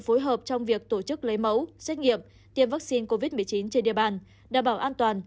phối hợp trong việc tổ chức lấy mẫu xét nghiệm tiêm vaccine covid một mươi chín trên địa bàn đảm bảo an toàn